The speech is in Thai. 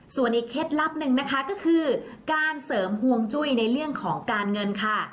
ส่วนอีกเคล็ดลับหนึ่งนะคะก็คือการเสริมห่วงจุ้ยในเรื่องของการเงินค่ะ